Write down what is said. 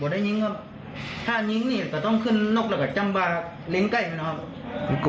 บ่ได้ยิ้งครับถ้ายิ้งนี่ก็ต้องขึ้นนกละกับจำบ่เล็งใกล้นะครับ